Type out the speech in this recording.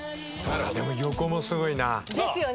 でも横もすごいな。ですよね。